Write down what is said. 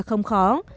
không khó khăn